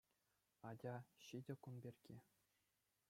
Атя, ҫитӗ кун пирки.